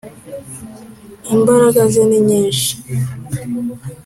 Imbaraga ze ni nyishi.